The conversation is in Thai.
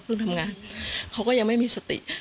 ทำงานเขาก็ยังไม่มีสติ